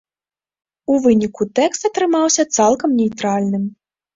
У выніку тэкст атрымаўся цалкам нейтральным.